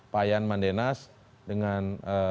pak yan mandenas dengan